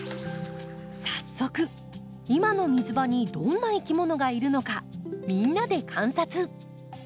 早速今の水場にどんないきものがいるのかみんなで観察。